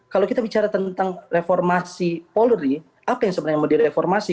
kalau kita bicara tentang reformasi polri apa yang sebenarnya mau direformasi